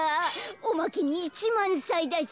おまけに１まんさいだし。